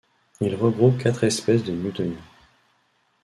Il regroupe quatre espèces de newtonies.